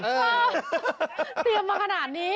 เตรียมมาขนาดนี้